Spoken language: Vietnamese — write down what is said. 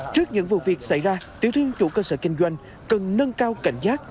trước những vụ việc xảy ra tiểu thương chủ cơ sở kinh doanh cần nâng cao cảnh giác